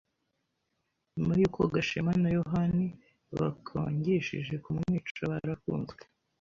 nyuma yuko Gashema na Yohani bakangishije kumwica barafunzwe.